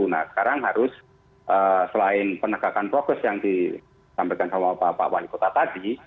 nah sekarang harus selain penegakan progres yang disampaikan sama pak wali kota tadi